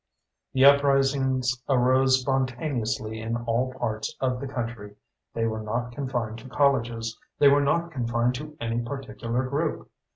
The uprisings arose spontaneously in all parts of the country. They were not confined to colleges. They were not confined to any particular group.